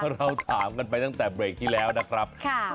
เราถามกันไปตั้งแต่เบรกที่แล้วนะครับ